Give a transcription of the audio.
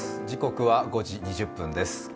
時刻は５時２０分です。